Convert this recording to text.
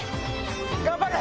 頑張れ！